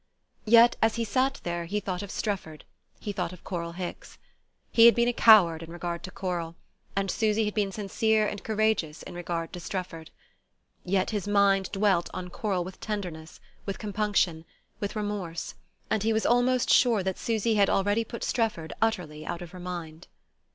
Yet as he sat there he thought of Strefford, he thought of Coral Hicks. He had been a coward in regard to Coral, and Susy had been sincere and courageous in regard to Strefford. Yet his mind dwelt on Coral with tenderness, with compunction, with remorse; and he was almost sure that Susy had already put Strefford utterly out of her mind.